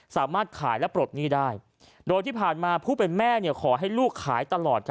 สามารถขายและปลดหนี้ได้โดยที่ผ่านมาผู้เป็นแม่ขอให้ลูกขายตลอด